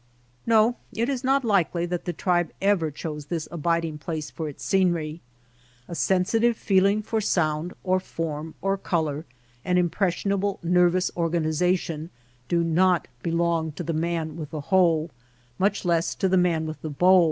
No ; it is not likely that the tribe ever chose this abiding place for its scenery. A sensitive feeling for sound, or form, or color, an impres sionable nervous organization, do not belong to the man with the hoe, much less to the man with the bow.